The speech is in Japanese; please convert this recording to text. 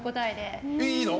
いいの？